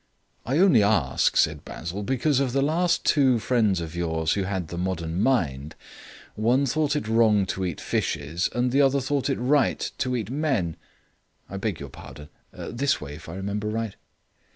"I only ask," said Basil, "because of the last two friends of yours who had the modern mind; one thought it wrong to eat fishes and the other thought it right to eat men. I beg your pardon this way, if I remember right."